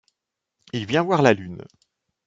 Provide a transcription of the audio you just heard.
Il vient voir la lune.